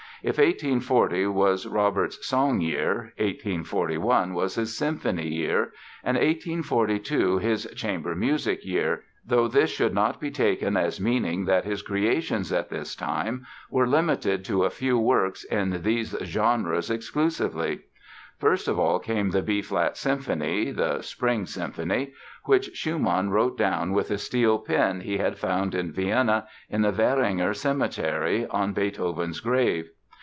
If 1840 was Robert's "song year", 1841 was his "symphony year" and 1842 his "chamber music year", though this should not be taken as meaning that his creations at this time were limited to a few works in these genres exclusively. First of all came the B flat Symphony—the "Spring" Symphony—which Schumann wrote down with a steel pen he had found in Vienna in the Währinger Cemetery, on Beethoven's grave.